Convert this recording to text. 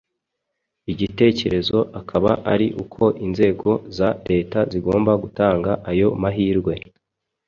Igitekerezo akaba ari uko inzego za Leta zigomba gutanga ayo mahirwe